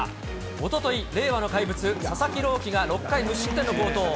おととい、令和の怪物、佐々木朗希が６回無失点の好投。